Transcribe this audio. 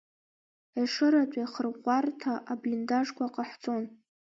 Ешыратәи ахырӷәӷәарҭа аблиндажқәа ҟаҳҵон.